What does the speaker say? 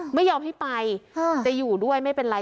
ไม่ยอมให้ไปจะอยู่ด้วยไม่เป็นไร